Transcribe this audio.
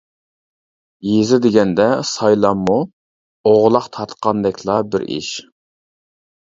يېزا دېگەندە سايلاممۇ ئوغلاق تارتقاندەكلا بىر ئىش.